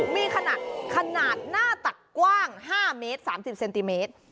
มีขนาดขนาดหน้าตักกว้าง๕เมตร๓๐เซนติเมตร